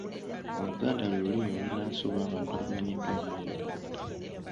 Oluganda lwe lulimi olunnansi olw’abantu abamanyiddwa nga Abaganda.